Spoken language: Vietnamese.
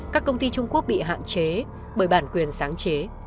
các công ty trung quốc bị hạn chế bởi bản quyền sáng chế